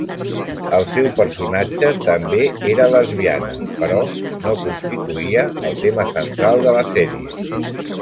El seu personatge també era lesbiana, però no constituïa el tema central de la sèrie.